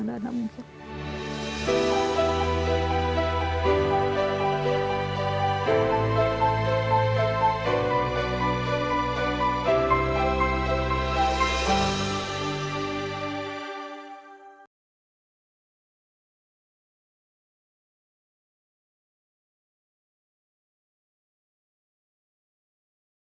nggak ada yang nggak mungkin